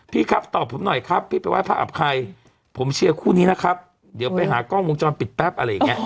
พี่ครับตอบผมหน่อยครับพี่ไปไห้พระอับใครผมเชียร์คู่นี้นะครับเดี๋ยวไปหากล้องวงจรปิดแป๊บอะไรอย่างเงี้